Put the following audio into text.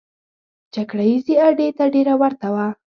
جګړه ییزې اډې ته ډېره ورته وه.